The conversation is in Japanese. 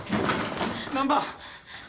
難破！